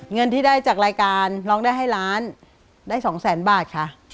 เงินที่ได้จากรายการร้องได้ให้ล้านได้๒แสนบาทค่ะ